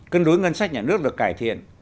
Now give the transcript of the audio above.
cân đối ngân sách nhà nước được cải thiện